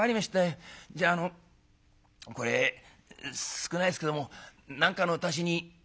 じゃああのこれ少ないですけども何かの足しに」。